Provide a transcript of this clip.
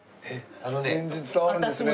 全然伝わるんですね。